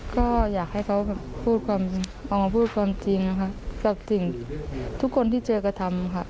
ก็อยากให้เขาพูดกลางพูดกลางจริงทุกคนที่เจอก็ทำ